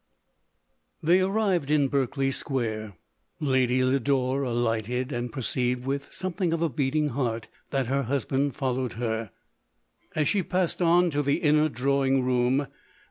They arrived in Berkeley square. Lady Lo clore alighted, and perceived with something of a beating heart, that her husband followed her, as she passed on to the inner drawing room.